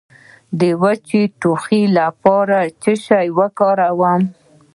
د وچ ټوخي لپاره باید څه شی وکاروم؟